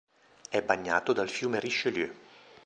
È bagnato dal fiume Richelieu.